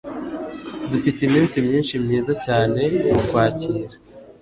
Dufite iminsi myinshi myiza cyane mu Kwakira.